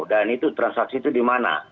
dan itu transaksi itu dimana